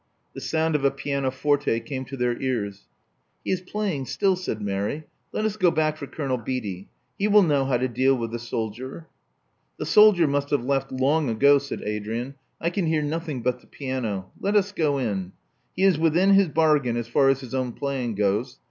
The sound of a pianoforte came to their ears. He is playing still,*' said Mary. Let us go back for Colonel Beatty. He will know how to deal with the soldier." The soldier must have left long ago," said Adrian. I can hear nothing but the piano. Let us go in. He is within his bargain as far as his own playing goes.